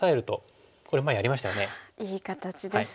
いい形ですね。